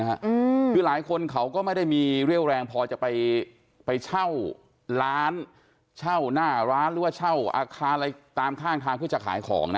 คือหลายคนเขาก็ไม่ได้มีเรี่ยวแรงพอจะไปไปเช่าร้านเช่าหน้าร้านหรือว่าเช่าอาคารอะไรตามข้างทางเพื่อจะขายของนะ